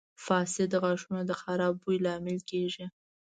• فاسد غاښونه د خراب بوی لامل کیږي.